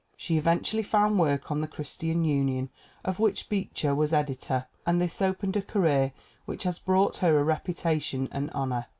She eventually found work on the Christian Union, of which Beecher was editor, and this opened a career which has brought her a reputation and honor.